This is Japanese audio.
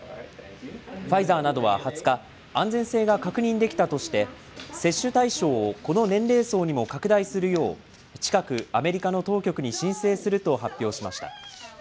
ファイザーなどは２０日、安全性が確認できたとして、接種対象をこの年齢層にも拡大するよう、近く、アメリカの当局に申請すると発表しました。